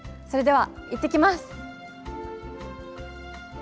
それでは行ってきます。